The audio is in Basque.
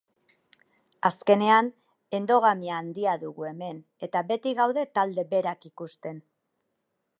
Azkenean, endogamia handia dugu hemen, eta beti gaude talde berak ikusten.